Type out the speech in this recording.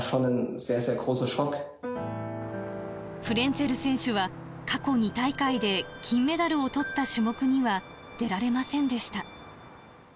フレンツェル選手は過去２大会で金メダルをとった種目には出られませんでした。